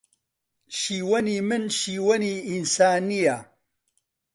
شیوەنی من شیوەنی ئینسانییە